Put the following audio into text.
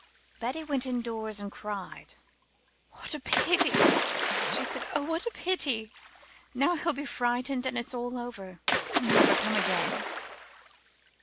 Betty went indoors and cried. "What a pity!" she said. "Oh, what a pity! Now he'll be frightened, and it's all over. He'll never come again."